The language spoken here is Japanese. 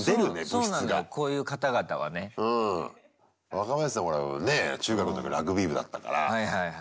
若林さんほらねぇ中学の時ラグビー部だったから。